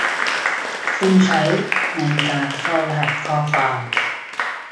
ซึ่งใช้ในการเข้ารหัสข้อความ